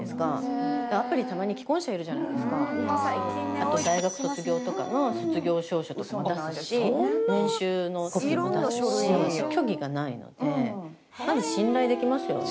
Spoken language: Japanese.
あと大学卒業とかの卒業証書とかも出すし年収のコピーも出すし虚偽がないのでまず信頼できますよね